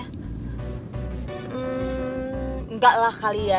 hmm enggak lah kali ya